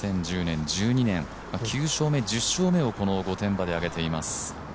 ２０１０年、２０１２年、９勝目、１０勝目をこの御殿場で挙げています。